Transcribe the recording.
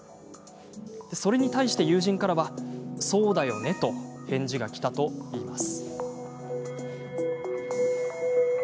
それに対して、友人からは「そうだよね」と返事がきたといいます。